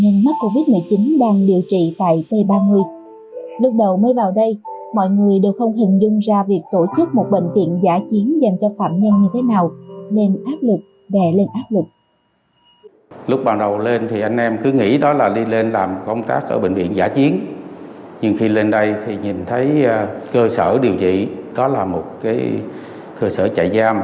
phạm nhân mắc covid một mươi chín đang điều trị tại tp hcm lúc đầu mới vào đây mọi người đều không hình dung ra việc tổ chức một bệnh viện giả chiến dành cho phạm nhân như thế nào nên áp lực đè lên áp lực